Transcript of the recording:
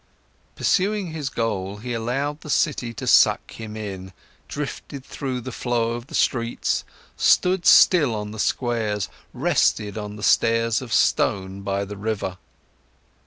Pursuing his goal, he allowed the city to suck him in, drifted through the flow of the streets, stood still on the squares, rested on the stairs of stone by the river.